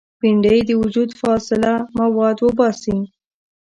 بېنډۍ د وجود فاضله مواد وباسي